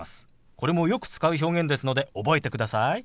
これもよく使う表現ですので覚えてください。